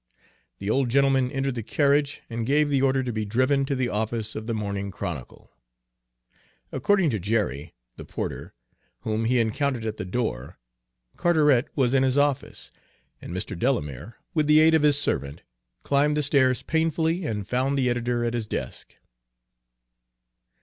The old gentleman entered the carriage and gave the order to be driven to the office of the Morning Chronicle. According to Jerry, the porter, whom he encountered at the door, Carteret was in his office, and Mr. Delamere, with the aid of his servant, climbed the stairs painfully and found the editor at his desk.